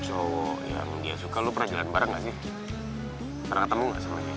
so yang dia suka lu pernah jalan bareng gak sih pernah ketemu nggak sama